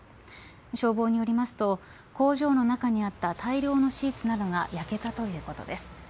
消防によりますと工場の中にあった大量のシーツなどが焼けたということです。